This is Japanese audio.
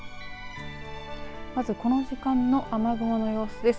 まずこの時間の雨雲の様子です。